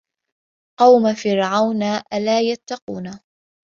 قَومَ فِرعَونَ أَلا يَتَّقونَ